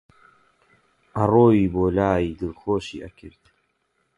ئەڕۆیی بۆلای دڵخۆشی ئەکرد